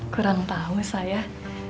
kurang tahu sayah